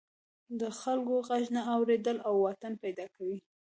د خلکو غږ نه اوریدل واټن پیدا کوي.